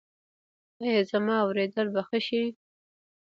ایا زما اوریدل به ښه شي؟